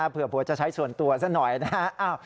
เผื่อโบสถ์จะใช้ส่วนตัวซะหน่อยนะ